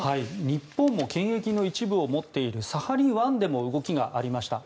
日本も権益の一部を持っているサハリン１でも動きがありました。